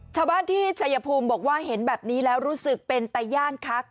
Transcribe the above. ชาวบ้านที่ชัยภูมิบอกว่าเห็นแบบนี้แล้วรู้สึกเป็นตะย่านคัก